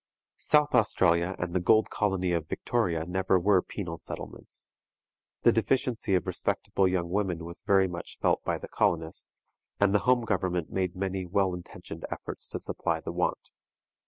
South Australia and the gold colony of Victoria never were penal settlements. The deficiency of respectable young women was very much felt by the colonists, and the home government made many well intentioned efforts to supply the want.